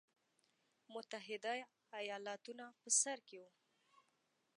متحده ایالتونه په سر کې وو.